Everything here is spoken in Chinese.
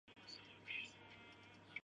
伊劳苏巴是巴西塞阿拉州的一个市镇。